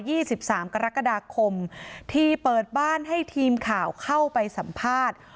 สิบสามกรกฎาคมที่เปิดบ้านให้ทีมข่าวเข้าไปสัมภาษณ์